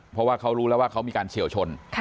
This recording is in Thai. เพราะว่าเขารู้แล้วว่าเขามีการเฉียวชน